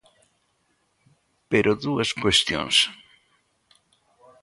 Pero dúas cuestións.